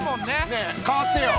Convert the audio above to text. ねえ代わってよ。